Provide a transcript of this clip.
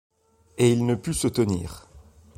Et il ne put se tenir.